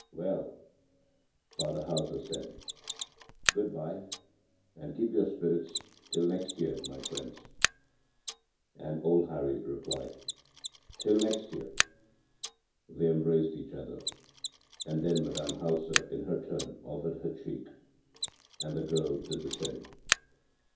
“Well,” father Hauser said, “good by, and keep up your spirits till next year, my friends,” and old Hari replied: “Till next year.” They embraced each other and then Madame Hauser in her turn offered her cheek, and the girl did the same.